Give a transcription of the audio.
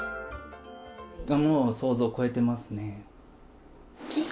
もう、想像を超えてますね。